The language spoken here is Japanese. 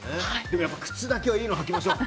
でも靴だけはいいのを履きましょう。